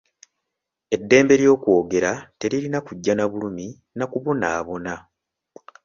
Eddembe ly'okwogera teririna kujja na bulumi na kubonaabona.